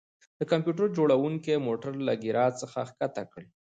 د کمپیوټر جوړونکي موټر له ګراج څخه ښکته کړ